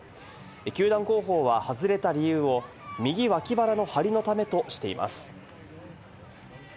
球団広報は外れた理由を右脇腹の張りのためとしています。